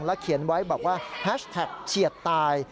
เขียนไว้บอกว่าแฮชแท็กเฉียดตาย